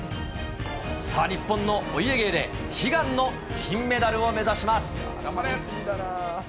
さあ、日本のお家芸で、悲願の金メダルを目指します。